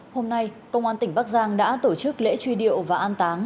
hôm nay công an tỉnh bắc giang đã tổ chức lễ truy điệu và an táng